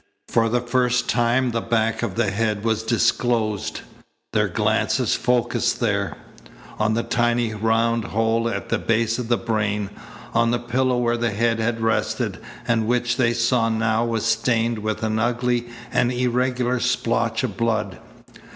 For the first time the back of the head was disclosed. Their glances focussed there on the tiny round hole at the base of the brain, on the pillow where the head had rested and which they saw now was stained with an ugly and irregular splotch of blood.